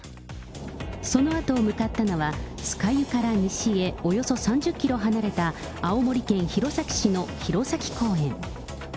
そのあと向かったのは、酸ヶ湯から西へおよそ３０キロ離れた、青森県弘前市の弘前公園。